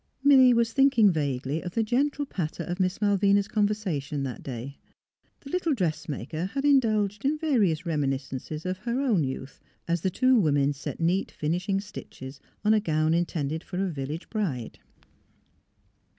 Milly was thinking vaguely of the gentle patter of Miss Malvina's conversation that day. The little dressmaker had indulged in va rious reminiscences of her own youth, as the two women set neat finishing stitches on a gown in tended for a \dllage bride.